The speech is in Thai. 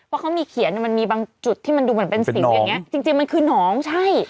เพราะเขามีเขียนมันมีบางจุดที่มันดูเหมือนเป็นสีอย่างเงี้จริงจริงมันคือน้องใช่